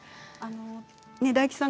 大吉さん